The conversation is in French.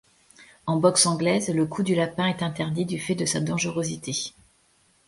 En boxe anglaise, le coup du lapin est interdit du fait de sa dangerosité.